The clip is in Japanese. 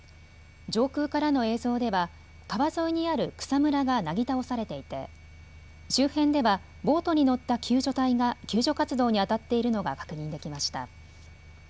上空からの映像では川沿いにある草むらがなぎ倒されていて周辺ではボートに乗った救助隊が救助活動にあたっているのが確認できました。